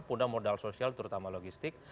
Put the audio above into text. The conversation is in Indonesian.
punya modal sosial terutama logistik